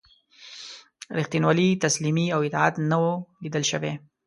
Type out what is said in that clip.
ریښتینولي، تسلیمي او اطاعت نه وه لیده شوي.